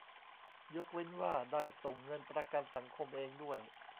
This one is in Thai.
ยกเว้นว่าได้ส่งเงินประกันสังคมเองด้วย